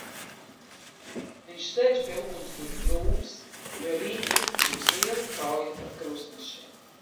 Viņš sēž pie ugunskurs drūms, jo rītu būs liela kauja ar krustnešiem.